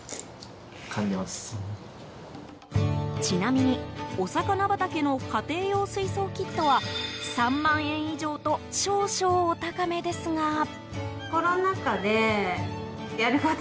ちなみにおさかな畑の家庭用水槽キットは３万円以上と少々お高めですが。